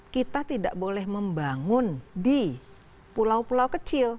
kita tidak boleh membangun di pulau pulau kecil